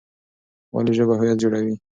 ولې ژبه هویت جوړوي؟